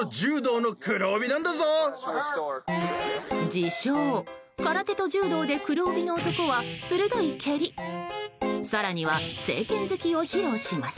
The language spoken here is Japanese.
自称、空手と柔道で黒帯の男は鋭い蹴り、更には正拳突きを披露します。